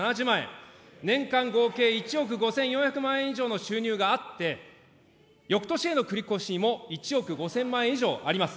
年間合計１億４５００万円以上の収入があって、よくとしへの繰り越しも１億５０００万円以上あります。